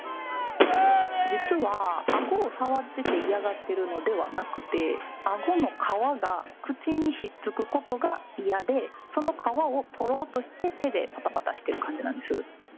実はあごを触ってて嫌がってるのではなくて、あごの皮が口にひっつくことが嫌で、その皮を取ろうとして、手でぱたぱたしてる感じなんです。